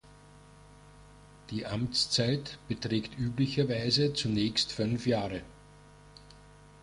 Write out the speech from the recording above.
Die Amtszeit beträgt üblicherweise zunächst fünf Jahre.